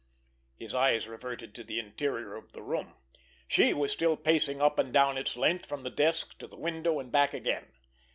His eyes reverted to the interior of the room. She was still pacing up and down its length from the desk to the window and back again.